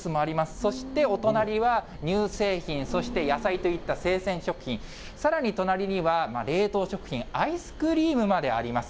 そして、お隣は乳製品、そして野菜といった生鮮食品、さらに隣には冷凍食品、アイスクリームまであります。